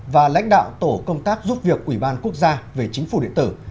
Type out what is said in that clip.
và lãnh đạo tổ công tác giúp việc ủy ban quốc gia về chính phủ điện tử